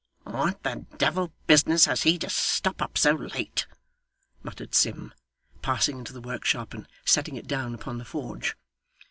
'What the devil business has he to stop up so late!' muttered Sim, passing into the workshop, and setting it down upon the forge.